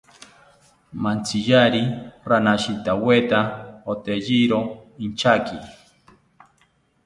Mantziyari ranashitaweta oteyiro inchaki